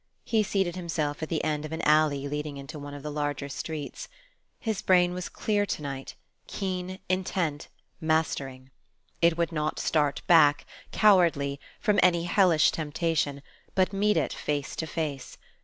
He seated himself at the end of an alley leading into one of the larger streets. His brain was clear to night, keen, intent, mastering. It would not start back, cowardly, from any hellish temptation, but meet it face to face.